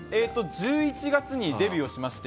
１１月にデビューしまして。